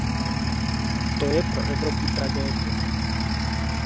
To je pro Evropu tragédie.